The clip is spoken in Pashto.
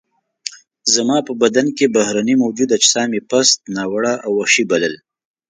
زما په بدن کې بهرني موجود اجسام یې پست، ناوړه او وحشي وبلل.